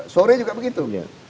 sore juga begitu